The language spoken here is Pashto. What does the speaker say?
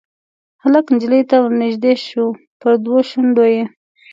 هلک نجلۍ ته ورنیژدې شو پر دوو شونډو یې